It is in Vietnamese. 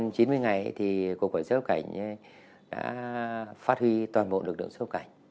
trong thời gian chín mươi ngày cục quản lý xuất nhập cảnh đã phát huy toàn bộ lực lượng xuất nhập cảnh